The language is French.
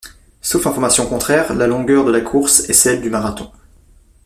Sauf information contraire, la longueur de la course est celle du marathon.